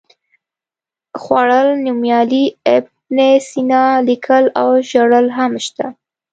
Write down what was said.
خوړل، نومیالی، ابن سینا، لیکل او ژړل هم شته.